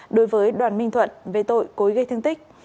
đối với đoàn minh thuận về tội cối gây thương tích